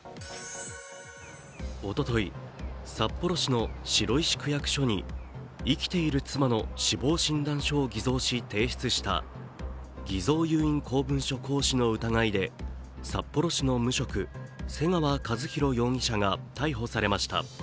おととい、札幌市の白石区役所に生きている妻の死亡診断書を偽造し提出した偽造有印公文書行使の疑いで札幌市の無職、瀬川一弘容疑者が逮捕されました。